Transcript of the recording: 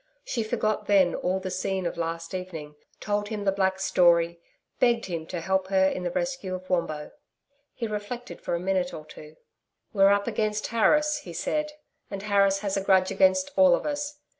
She forgot then all the scene of last evening, told him the black's story, begged him to help her in the rescue of Wombo. He reflected for a minute or two. 'We're up against Harris,' he said, 'and Harris has a grudge against all of us.